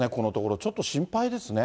ちょっと心配ですね。